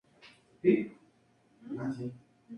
Durante años ejerció la docencia en la Universidad de Ankara.